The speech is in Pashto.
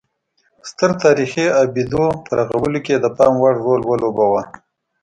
ستر تاریخي ابدو په رغولو کې یې د پام وړ رول ولوباوه